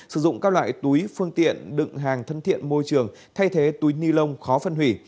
sử dụng các loại túi phương tiện đựng hàng thân thiện môi trường thay thế túi ni lông khó phân hủy